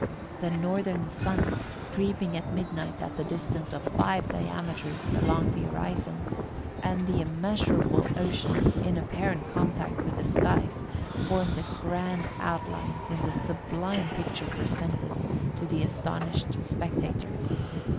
The northern sun, creeping at midnight at the distance of five diameters along the horizon, and the immeasurable ocean in apparent contact with the skies, form the grand outlines in the sublime picture presented to the astonished spectator.